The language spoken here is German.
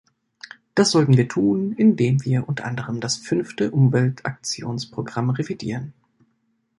Das sollten wir tun, indem wir unter anderem das fünfte Umweltaktionsprogramm revidieren.